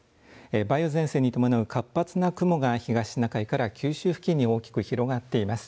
梅雨前線に伴う活発な雲が東シナ海から九州付近に大きく広がっています。